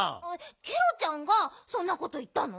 ケロちゃんがそんなこといったの？